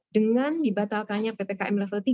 dengan dibatalkannya ppkm level tiga